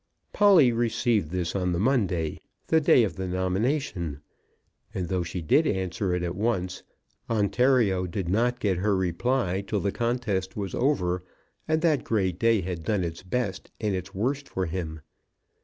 "] Polly received this on the Monday, the day of the nomination, and though she did answer it at once, Ontario did not get her reply till the contest was over, and that great day had done its best and its worst for him.